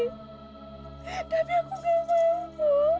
tapi aku gak mau bo